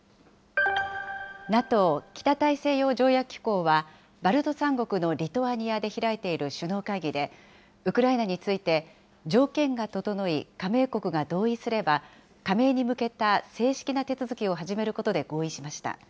ＮＡＴＯ・北大西洋条約機構は、バルト三国のリトアニアで開いている首脳会議で、ウクライナについて、条件が整い、加盟国が同意すれば、加盟に向けた正式な手続きを始めることで合意しました。